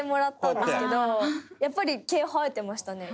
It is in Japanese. やっぱり毛生えてましたね。